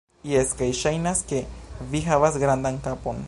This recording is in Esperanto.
Jes, kaj ŝajnas ke vi havas grandan kapon